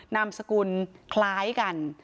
นามสกุลคล้ายกัน